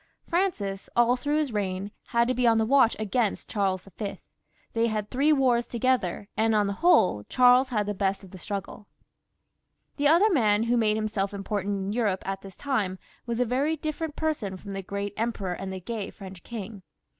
Francis, all through his reign, had to be on his watch against Charles V. ; they had three wars toge ther, and on the whole, Charles had the best of the struggle. The other man who made himself important in Europe at this time was a very different person from the great emperor and the gay French king.